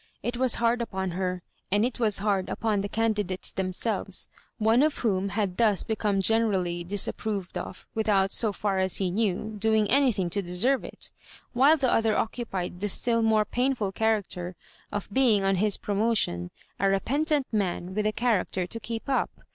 It was hard upon her, and it was hard upon the candidates themselves— one of whom had thus become generally disapproved ot, with out, BO far as he knew, doing anytiiing to de serve it ; while the other occupied the still more painful character of being (m his promotion — ^a repentant man, with a character to keep up.